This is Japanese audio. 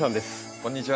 こんにちは。